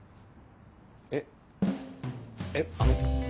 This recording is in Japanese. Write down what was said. ええっあの